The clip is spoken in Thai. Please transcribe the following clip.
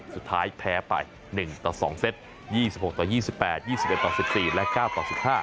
สุดท้ายแพ้ไป๑ต่อ๒เซต๒๖ต่อ๒๘๒๑ต่อ๑๔และ๙ต่อ๑๕